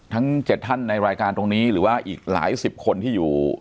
ทั้ง๗ท่านในรายการตรงนี้หรือว่าอีกหลายสิบคนที่อยู่